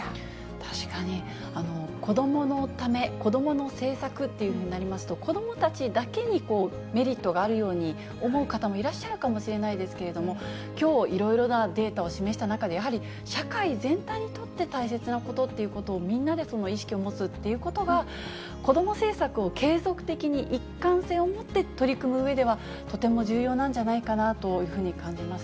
確かに、子どものため、子どもの政策っていうふうになりますと、子どもたちだけにメリットがあるように思う方もいらっしゃるかもしれませんけれども、きょう、いろいろなデータを示した中で、やはり社会全体にとって大切なことっていうことを、みんなで意識を持つということが、子ども政策を継続的に一貫性を持って取り組むうえでは、とても重要なんじゃないかなというふうに感じます。